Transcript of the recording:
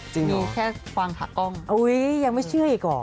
จริงเหรออุ้ยยยังไม่เชื่ออีกหรอมีแค่ความถักกล้อง